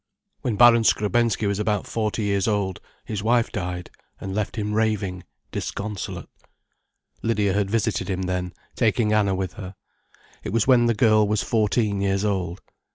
When Baron Skrebensky was about forty years old, his wife died, and left him raving, disconsolate. Lydia had visited him then, taking Anna with her. It was when the girl was fourteen years old.